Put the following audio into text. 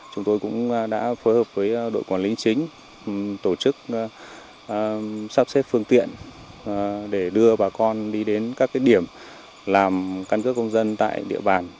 chúng tôi cũng đã phối hợp với đội quản lý chính tổ chức sắp xếp phương tiện để đưa bà con đi đến các điểm làm căn cước công dân tại địa bàn